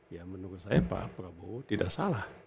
ya menurut saya pak prabowo tidak salah